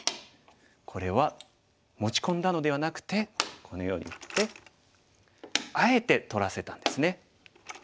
これは持ち込んだのではなくてこのようになってあえて取らせたんですね。